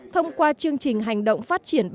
thông qua chương trình hành động phát triển kinh tế